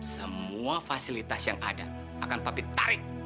semua fasilitas yang ada akan papit tarik